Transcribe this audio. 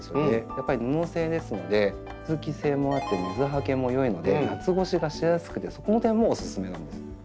やっぱり布製ですので通気性もあって水はけも良いので夏越しがしやすくてそこの点もおすすめなんです。